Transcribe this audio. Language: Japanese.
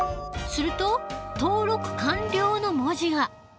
すると「登録完了」の文字が。